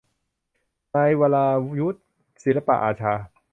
นายวราวุธ ศิลปอาชา